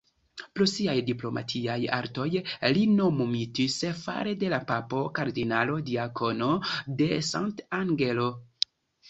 Pro siaj diplomatiaj artoj li nomumitis fare de la papo "Kardinalo-diakono de Sant'Angelo".